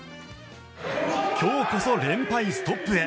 今日こそ連敗ストップへ。